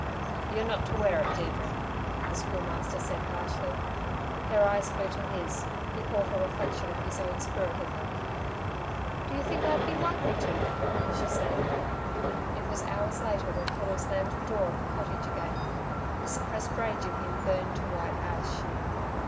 "You're not to wear it, Deirdre," the Schoolmaster said harshly. Her eyes flew to his. He caught a reflection of his own spirit in them. "Do you think I'd be likely to," she said. It was hours later when Conal slammed the door of the cottage again. The suppressed rage in him burned to white ash.